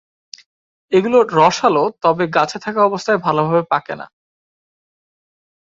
এগুলো রসালো তবে গাছে থাকা অবস্থায় ভালভাবে পাকে না।